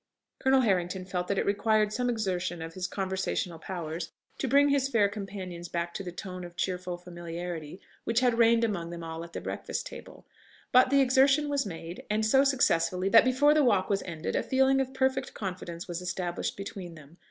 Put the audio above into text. Colonel Harrington felt that it required some exertion of his conversational powers to bring his fair companions back to the tone of cheerful familiarity which had reigned among them all at the breakfast table; but the exertion was made, and so successfully, that before the walk was ended a feeling of perfect confidence was established between them.